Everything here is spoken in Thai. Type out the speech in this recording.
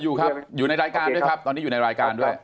อยู่ครับอยู่ในรายการด้วยครับตอนนี้อยู่ในรายการด้วย